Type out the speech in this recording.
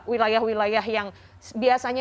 wilayah wilayah yang biasanya